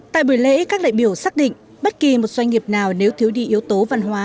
tại buổi lễ các đại biểu xác định bất kỳ một doanh nghiệp nào nếu thiếu đi yếu tố văn hóa